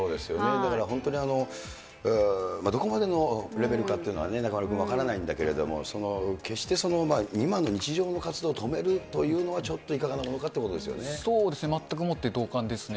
だから本当に、どこまでのレベルかというのは中丸君、分からないんだけれども、決して今の日常の活動を止めるというのは、ちょっといかがなものそうですね、まったくもって同感ですね。